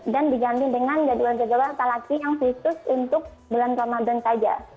diganti dengan jadwal jadwal talaki yang khusus untuk bulan ramadan saja